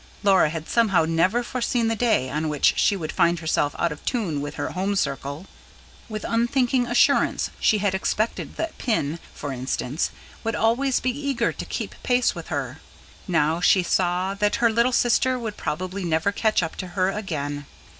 Laura had somehow never foreseen the day on which she would find herself out of tune with her home circle; with unthinking assurance she had expected that Pin, for instance, would always be eager to keep pace with her. Now, she saw that her little sister would probably never catch up to her again.